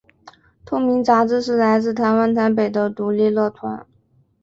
透明杂志是来自台湾台北的独立乐团。